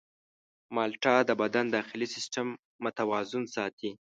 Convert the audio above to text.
مالټه د بدن داخلي سیستم متوازن ساتي.